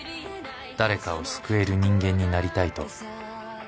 誰かを救える人間になりたいと。